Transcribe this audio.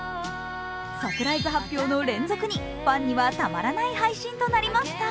サプライズ発表の連続に、ファンにはたまらない配信となりました。